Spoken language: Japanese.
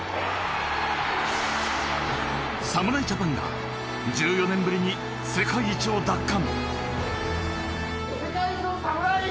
侍ジャパンが１４年ぶりに世界一を奪還。